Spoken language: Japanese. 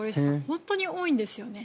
本当に多いんですよね。